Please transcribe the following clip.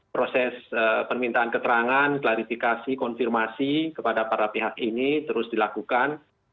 proses permintaan keterangan klarifikasi konfirmasi kepada para pihak ini terus dilakukan